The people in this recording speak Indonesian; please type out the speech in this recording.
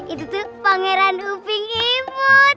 itu tuh pangeran uping imut